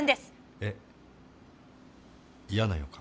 え嫌な予感。